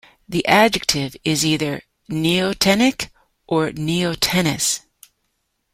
The adjective is either "neotenic" or "neotenous".